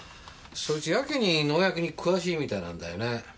そいつやけに農薬に詳しいみたいなんだよね。